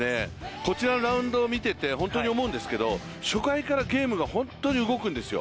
こちらのラウンドを見てて思うんですけど初回からゲームが本当に動くんですよ。